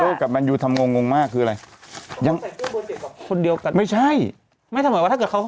เอ้าทำไมเปิดเสื้อโรแนโดคืออะไร